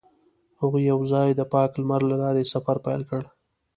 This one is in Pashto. هغوی یوځای د پاک لمر له لارې سفر پیل کړ.